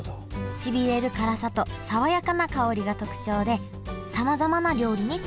しびれる辛さと爽やかな香りが特徴でさまざまな料理に使われてきました